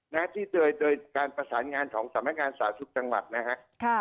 และที่โดยการประสานงานของสมัยการศาสตร์ศุกร์จังหวัดนะครับ